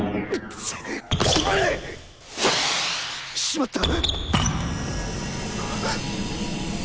しまった！